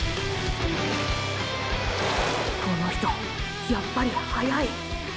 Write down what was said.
この人やっぱり速い！